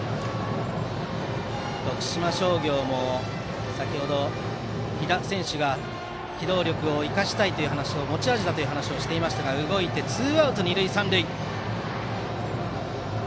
徳島商業も先程、飛弾選手が機動力を生かしたい、それが持ち味だという話をしていましたが動いてきてツーアウト二塁三塁。